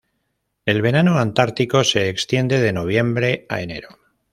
El verano antártico se extiende de noviembre a enero.